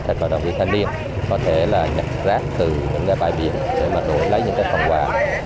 các cộng đồng viên thanh niên có thể là nhặt rác từ những bãi biển để mà đổi lấy những cái phòng quà